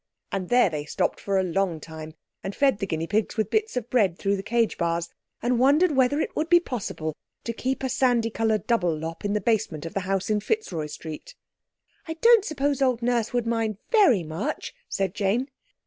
And there they stopped for a long time, and fed the guinea pigs with bits of bread through the cage bars, and wondered whether it would be possible to keep a sandy coloured double lop in the basement of the house in Fitzroy Street. "I don't suppose old Nurse would mind very much," said Jane.